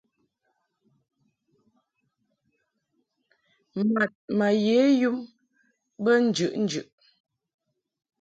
Mad ma ye yum be njɨʼnjɨʼ.